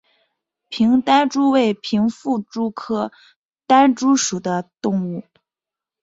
平单蛛为平腹蛛科单蛛属的动物。